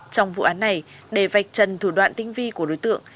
trong vụ án này để vạch trần thủ đoạn tinh vi của đối tượng